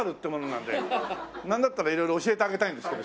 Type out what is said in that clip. なんだったら色々教えてあげたいんですけど